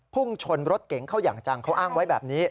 พุ่งชนรถเก๋งเข้าอย่างจังเขาอ้างไว้แบบนี้